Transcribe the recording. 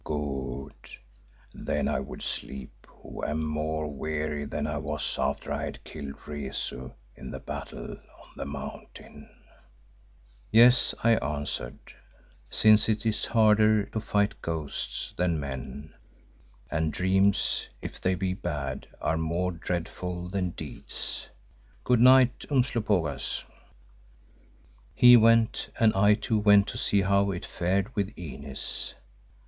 "Good. Then I would sleep who am more weary than I was after I had killed Rezu in the battle on the mountain." "Yes," I answered, "since it is harder to fight ghosts than men, and dreams, if they be bad, are more dreadful than deeds. Good night, Umslopogaas." He went, and I too went to see how it fared with Inez.